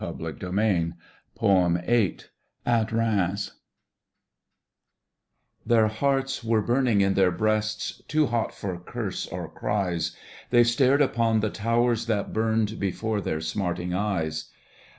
Digitized by Google 22 AT RHEIMS Their hearts were burning in their breasts Too hot for curse or cries. They stared upon the towers that burned Before their smarting eyes.